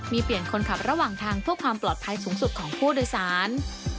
มีเปลี่ยนคนขับระหว่างทางเพื่อความปลอดภัยสูงสุดของผู้โดยสาร